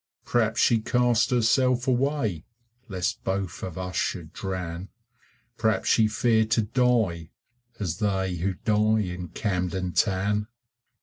Perhaps she cast herself away Lest both of us should drown: Perhaps she feared to die, as they Who die in Camden Town.